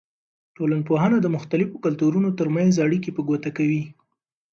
ټولنپوهنه د مختلفو کلتورونو ترمنځ اړیکې په ګوته کوي.